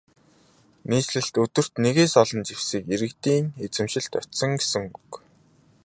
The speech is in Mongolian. Нийслэлд өдөрт нэгээс олон зэвсэг иргэдийн эзэмшилд очсон гэсэн үг.